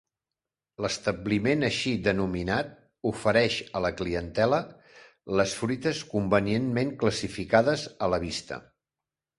L'establiment així denominat ofereix a la clientela les fruites convenientment classificades a la vista.